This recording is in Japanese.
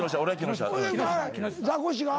ザコシが？